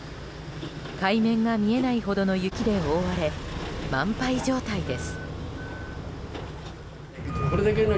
海面が見えないほどの雪で覆われ満杯状態です。